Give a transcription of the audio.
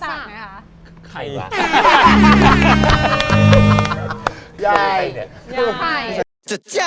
อันนั้นพี่ออสปอมภัดค่ะ